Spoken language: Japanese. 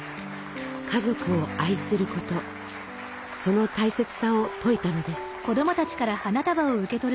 家族を愛することその大切さを説いたのです。